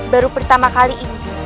baru pertama kali ini